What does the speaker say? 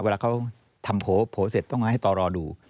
เวลาเขาทำโผล่เสร็จต้องมาให้ต่อรอดู